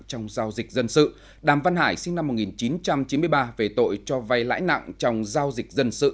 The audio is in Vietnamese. trong giao dịch dân sự đàm văn hải sinh năm một nghìn chín trăm chín mươi ba về tội cho vay lãi nặng trong giao dịch dân sự